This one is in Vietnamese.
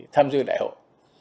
tham dự đại hội